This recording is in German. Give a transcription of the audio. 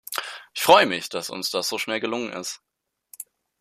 Ich freue mich, dass uns das so schnell gelungen ist.